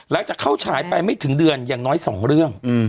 จะเข้าฉายไปไม่ถึงเดือนอย่างน้อย๒เรื่อง